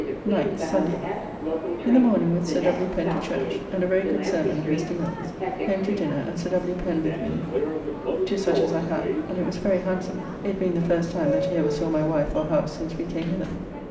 9th (Sunday). In the morning with Sir W. Pen to church, and a very good sermon of Mr. Mills. Home to dinner, and Sir W. Pen with me to such as I had, and it was very handsome, it being the first time that he ever saw my wife or house since we came hither.